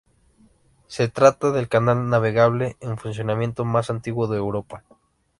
Se trata del canal navegable en funcionamiento más antiguo de Europa.